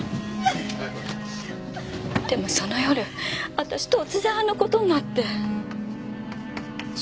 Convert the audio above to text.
でもその夜私突然あんな事になって。